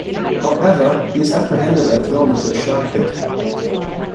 However, he is apprehended and thrown into a shark pit.